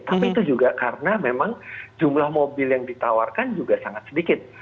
tapi itu juga karena memang jumlah mobil yang ditawarkan juga sangat sedikit